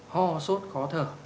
ho sốt khó thở